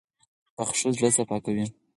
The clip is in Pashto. • بښل زړه صفا کوي.